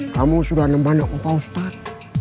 kamu sudah nemban bapak ustadz